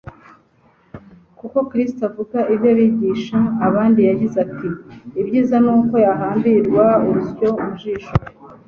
kuko Kristo avuga iby'abagusha abandi yagize ati :« Ibyiza ni uko yahambirwa urusyo mu ijosi,